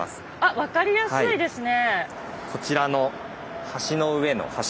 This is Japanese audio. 分かりやすいですね。